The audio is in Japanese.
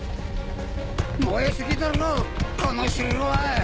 燃えすぎだろこの城は！